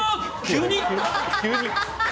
急に？